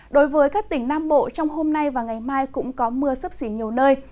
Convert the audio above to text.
đối với các tỉnh nam bộ trong hôm nay và ngày mai cũng có mưa sấp xỉ nhiều nơi